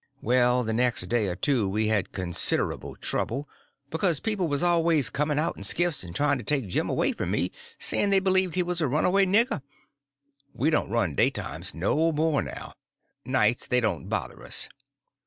Well, for the next day or two we had considerable trouble, because people was always coming out in skiffs and trying to take Jim away from me, saying they believed he was a runaway nigger. We don't run daytimes no more now; nights they don't bother us."